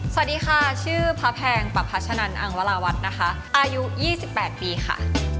สวัสดีค่ะชื่อพระแพงประพัชนันอังวราวัฒน์นะคะอายุ๒๘ปีค่ะ